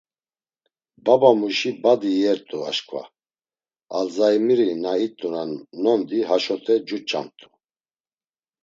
Babamuşi badi iyert̆u aşǩva; Alzaymiri na it̆unan nondi haşote cuç̌amt̆u.